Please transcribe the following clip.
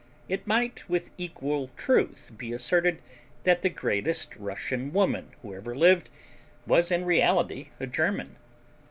It might with equal truth be asserted that the greatest Russian woman who ever lived was in reality a German.